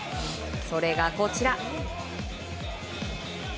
それが、こちら。